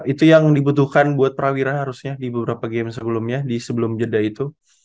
itu yang dibutuhkan buat prawira harusnya di beberapa game sebelumnya di sebelum jeda itu